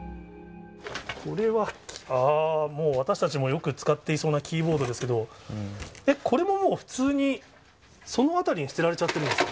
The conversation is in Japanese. これは、あー、もう、私たちもよく使っていそうなキーボードですけど、これももう、普通にその辺りに捨てられちゃってるんですか？